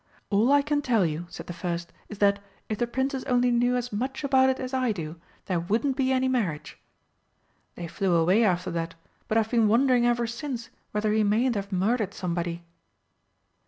'All I can tell you,' said the first, 'is that, if the Princess only knew as much about it as I do, there wouldn't be any marriage!' They flew away after that, but I've been wondering ever since whether he mayn't have murdered somebody."